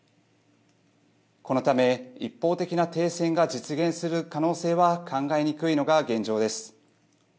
このため一方的な停戦が実現する可能性は考えにくいのが現状です。